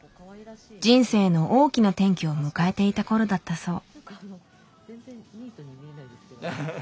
人生の大きな転機を迎えていた頃だったそう。